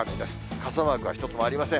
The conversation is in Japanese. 傘マークは１つもありません。